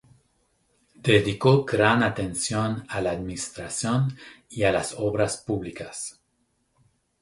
Dedicó gran atención a la administración y a las obras públicas.